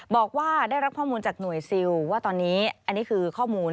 บอกว่าได้รับข้อมูลจากหน่วยซิลว่าตอนนี้อันนี้คือข้อมูล